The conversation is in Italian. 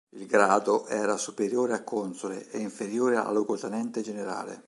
Il grado era superiore a console e inferiore a luogotenente generale.